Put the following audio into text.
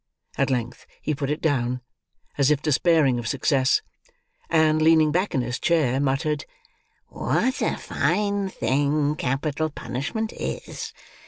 At length he put it down, as if despairing of success; and, leaning back in his chair, muttered: "What a fine thing capital punishment is!